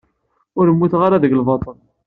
Ur mmuten ara deg lbaṭel.